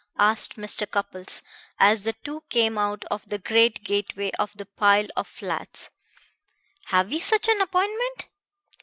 asked Mr. Cupples as the two came out of the great gateway of the pile of flats. "Have we such an appointment?"